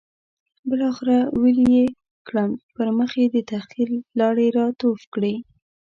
بالاخره ویلې یې کړم، پر مخ یې د تحقیر لاړې را توف کړې.